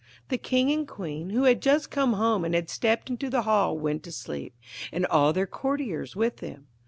The King and Queen, who had just come home and had stepped into the hall, went to sleep, and all their courtiers with them.